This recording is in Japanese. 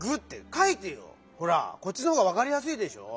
ほらこっちのほうがわかりやすいでしょ？